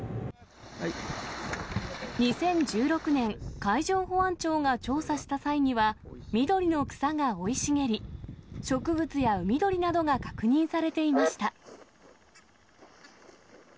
２０１６年、海上保安庁が調査した際には、緑の草が生い茂り、植物や海鳥などが確認されていました。